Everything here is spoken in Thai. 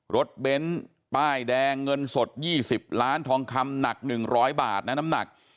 เบ้นป้ายแดงเงินสด๒๐ล้านทองคำหนัก๑๐๐บาทนะน้ำหนัก